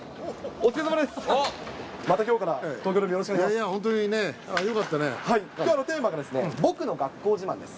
お疲れさまです。